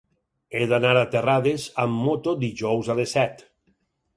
He d'anar a Terrades amb moto dijous a les set.